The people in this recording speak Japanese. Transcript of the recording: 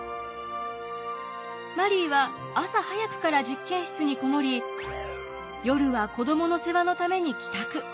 マリーは朝早くから実験室に籠もり夜は子供の世話のために帰宅。